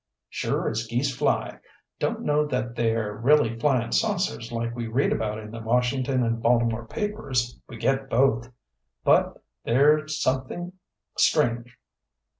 "Sure as geese fly. Don't know that they're really flyin' saucers like we read about in the Washington and Baltimore papers we get both but they're somethin' strange.